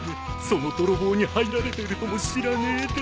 その泥棒に入られてるとも知らねえで。